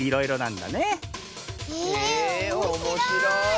へえおもしろい！